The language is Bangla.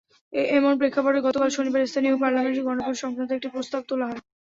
এমন প্রেক্ষাপটে গতকাল শনিবার স্থানীয় পার্লামেন্টে গণভোট-সংক্রান্ত একটি প্রস্তাব তোলা হয়।